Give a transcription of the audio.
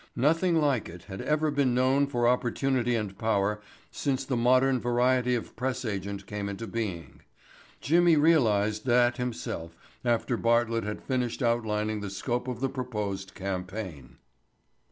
Nothing like it had ever been known for opportunity and power, since the modern variety of press agent came into being. Jimmy realized that himself after Bartlett had finished outlining the scope of the proposed campaign.